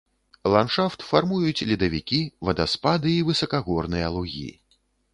Ландшафт фармуюць ледавікі, вадаспады і высакагорныя лугі.